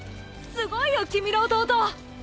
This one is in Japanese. すごいよ君の弟！